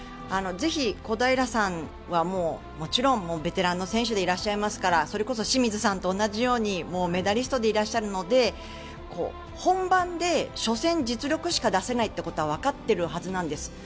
ぜひ、小平さんはもうもちろんベテランの選手でいらっしゃいますからそれこそ清水さんと同じようにメダリストでいらっしゃるので本番でしょせん実力しか出せないってことはわかっているはずなんです。